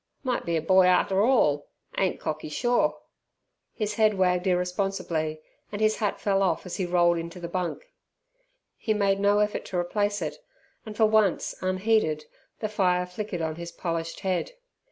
"Might be a boy arter orl; ain't cocky sure!" His head wagged irresponsibly, and his hat fell off as he rolled into the bunk. He made no effort to replace it, and, for once unheeded, the fire flickered on his polished head.